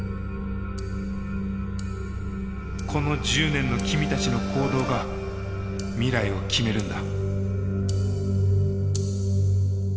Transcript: この１０年の君たちの行動が未来を決めるんだ。